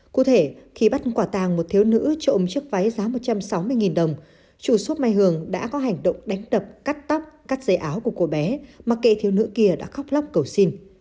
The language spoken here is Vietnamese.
cụ thể khi bắt quả tàng một thiếu nữ trộm chiếc váy giá một trăm sáu mươi đồng chủ shop mai hường đã có hành động đánh đập cắt tóc cắt dây áo của cô bé mà kê thiếu nữ kia đã khóc lóc cầu xin